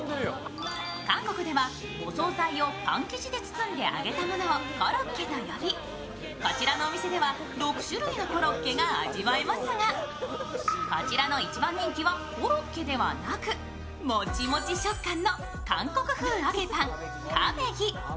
韓国ではお総菜をパン生地で包んで揚げたものをコロッケと呼びこちらのお店では６種類のコロッケが味わえますが、こちらの一番人気はコロッケではなく、モチモチ食感の韓国風揚げパン、クァベギ。